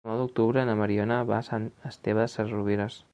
El nou d'octubre na Mariona va a Sant Esteve Sesrovires.